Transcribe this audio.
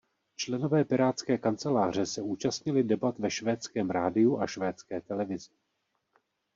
Členové Pirátské kanceláře se účastnili debat ve Švédském radiu a Švédské televizi.